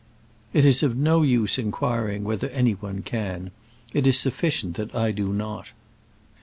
"It is of no use inquiring whether any one can. It is sufficient that I do not."